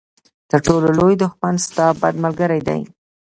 تر ټولو لوی دښمن ستا بد ملګری دی.